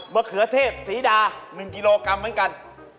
เขือเทพศรีดา๑กิโลกรัมเหมือนกัน